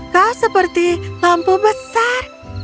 kau seperti lampu besar